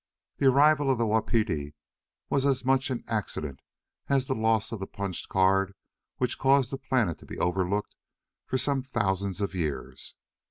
The arrival of the Wapiti was as much an accident as the loss of the punched card which caused the planet to be overlooked for some thousands of years.